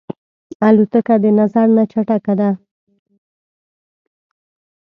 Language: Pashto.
الوتکه د نظر نه چټکه ده.